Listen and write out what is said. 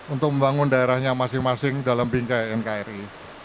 untuk membangun daerahnya masing masing dalam bingkai nkri